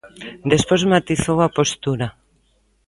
Despois matizou a postura.